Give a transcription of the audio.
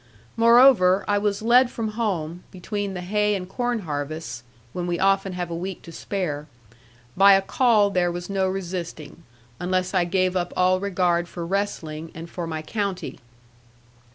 Moreover, I was led from home, between the hay and corn harvests (when we often have a week to spare), by a call there was no resisting; unless I gave up all regard for wrestling, and for my county.